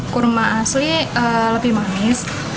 kurma asli lebih manis